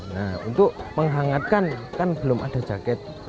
nah untuk menghangatkan kan belum ada jaket